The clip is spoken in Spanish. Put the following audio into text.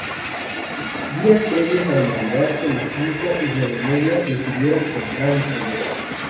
Días previos a la Navidad, Telecinco y Globomedia decidieron comprar el proyecto.